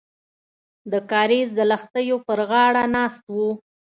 د کاریز د لښتیو پر غاړه ناست وو.